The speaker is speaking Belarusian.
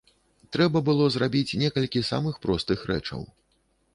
Трэба было зрабіць некалькі самых простых рэчаў.